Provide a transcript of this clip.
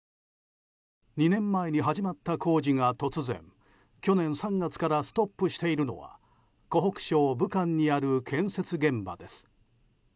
２年前に始まった工事が突然去年３月からストップしているのは湖北省武漢にある建設現場です。